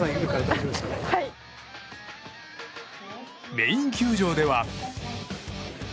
メイン球場では。